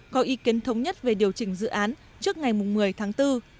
có ý kiến thống nhất về điều chỉnh dự án trước ngày một mươi tháng bốn